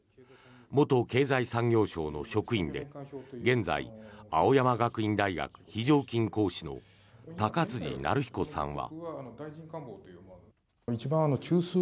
元経済産業省の職員で現在、青山学院大学非常勤講師の高辻成彦さんは。